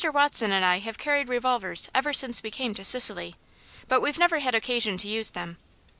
Watson and I have carried revolvers ever since we came to Sicily, but we've never had occasion to use them.